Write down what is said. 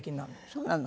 そうなの？